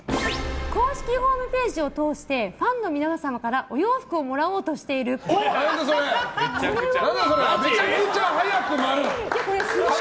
公式ホームページを通してファンの皆様からお洋服を貰おうとしているっぽい。